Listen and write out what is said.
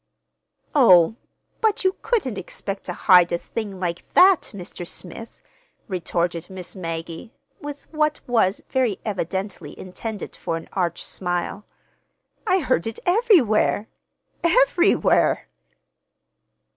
"Oh, but you couldn't expect to hide a thing like that, Mr. Smith," retorted Miss Maggie, with what was very evidently intended for an arch smile. "I heard it everywhere—everywhere."